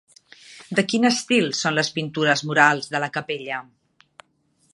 De quin estil són les pintures murals de la capella?